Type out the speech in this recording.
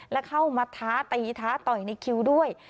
และเข้ามาท้าตีท้าต่อยในคิวด้วย